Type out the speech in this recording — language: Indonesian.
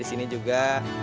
di sini juga